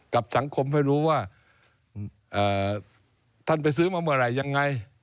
กับสังคมให้รู้ว่าท่านไปซื้อมาเมื่อไหร่ยังไง